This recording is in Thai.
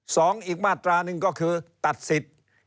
สองอีกมาตราหนึ่งก็คือตัดสิทธิ์